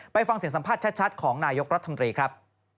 ฟังเสียงสัมภาษณ์ชัดของนายกรัฐมนตรีครับ